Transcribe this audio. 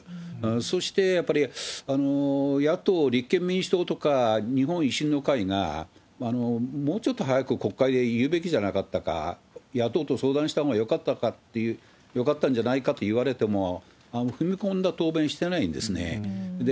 そして、やっぱり野党・立憲民主党とか日本維新の会が、もうちょっと早く国会で言うべきじゃなかったか、野党と相談したほうがよかったんじゃないかと言われても、踏み込んだ答弁してないんですね。